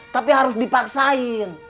tapi harus dipaksain